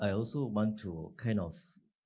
kedua saya juga ingin